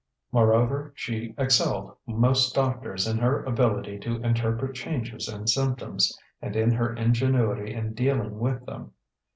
Moreover, she excelled most doctors in her ability to interpret changes and symptoms, and in her ingenuity in dealing with them.